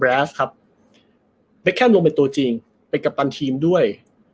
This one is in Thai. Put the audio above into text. ๊าครับแบทแค็มลงไปตัวจริงไปกับไปทีมด้วย